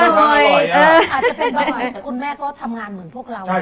อาจจะเป็นบ่อยแต่คุณแม่ก็ทำงานเหมือนพวกเรา